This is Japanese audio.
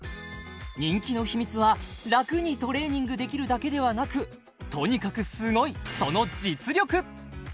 人気の秘密は楽にトレーニングできるだけではなくとにかくすごいその実力！